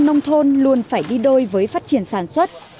nông thôn luôn phải đi đôi với phát triển sản xuất